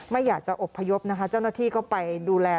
ไม่อยากจะอบพยพนะคะเจ้าหน้าที่ก็ไปดูแล